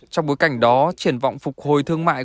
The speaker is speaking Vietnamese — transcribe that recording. trong bối cảnh đó triển vọng phục hồi thương mại